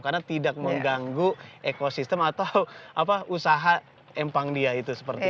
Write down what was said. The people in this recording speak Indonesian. karena tidak mengganggu ekosistem atau usaha empang dia itu seperti itu